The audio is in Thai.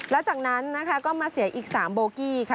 แล้วจากนั้นนะคะก็มาเสียอีก๓โบกี้ค่ะ